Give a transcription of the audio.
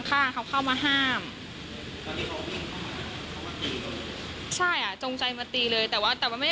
แต่เขาเวียงไม้แบบอย่างเงี้ยค่ะเวียงแล้วก็โดนเพื่อน